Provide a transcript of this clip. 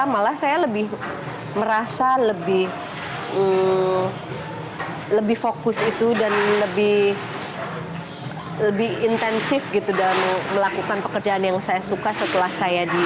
malah saya lebih merasa lebih fokus itu dan lebih intensif gitu dalam melakukan pekerjaan yang saya suka setelah saya di